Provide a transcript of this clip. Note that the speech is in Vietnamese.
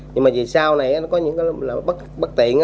nhưng mà vì sau này có những bất tiện